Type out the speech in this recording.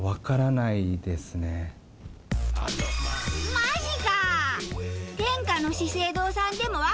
マジか！